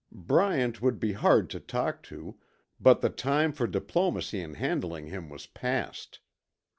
Bryant would be hard to talk to, but the time for diplomacy in handling him was past.